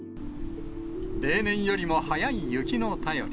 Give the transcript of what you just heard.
例年よりも早い雪の便り。